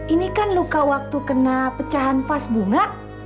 ini kan luka waktu kena pecahan pas bunga